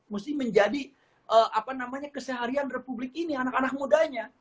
mesti menjadi keseharian republik ini anak anak mudanya